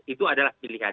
itu adalah pilihan